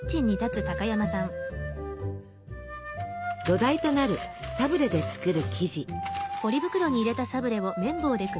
土台となるサブレで作る生地。